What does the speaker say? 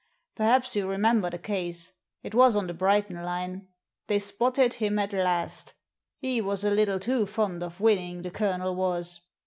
Perhaps you remember the case. It was on the Brighton line. They spotted him at last — ^he was a little too fond of winning, the Colonel was.